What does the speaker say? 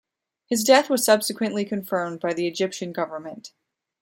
His death was subsequently confirmed by the Egyptian government.